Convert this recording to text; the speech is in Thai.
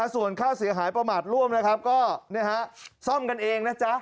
ส่วนค่าเสียหายประมาทร่วมนะครับก็ซ่อมกันเองนะจ๊ะ